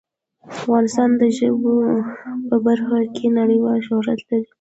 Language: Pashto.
افغانستان د ژبو په برخه کې نړیوال شهرت لري.